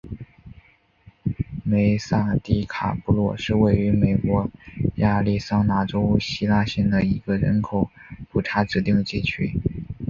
梅萨迪卡布洛是位于美国亚利桑那州希拉县的一个人口普查指定地区。